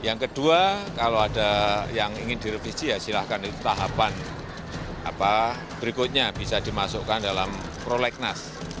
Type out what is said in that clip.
yang kedua kalau ada yang ingin direvisi silahkan di tahapan berikutnya bisa dimasukkan dalam projek nes